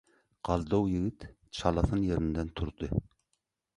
Galdaw ýigit çalasyn ýerinden turdy.